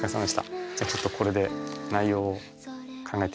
じゃあちょっとこれで内容を考えて頂いて。